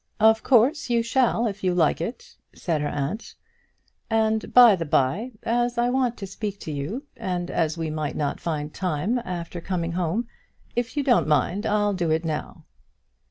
"Of course you shall if you like it," said her aunt; "and by the by, as I want to speak to you, and as we might not find time after coming home, if you don't mind it I'll do it now."